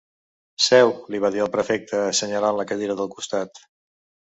Seu —li va dir el prefecte, assenyalant la cadira del costat.